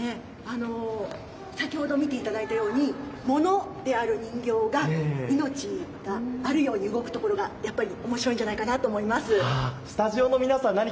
先ほど見ていただいたように物である人形が命があるように動くところがやっぱり面白いんじゃないかなと思います。